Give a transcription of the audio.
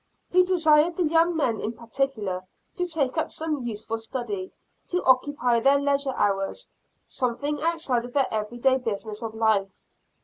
He desired the young men in particular to take up some useful study, to occupy their leisure hours something outside of their every day business of life.